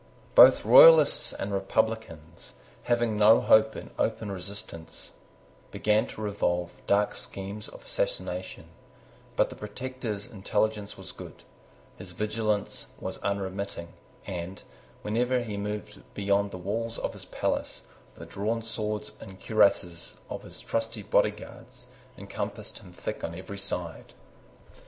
Both Royalists and Republicans, having no hope in open resistance, began to revolve dark schemes of assassination: but the Protector's intelligence was good: his vigilance was unremitting; and, whenever he moved beyond the walls of his palace, the drawn swords and cuirasses of his trusty bodyguards encompassed him thick on every side.